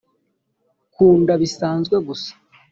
kunda bisanzwe gusa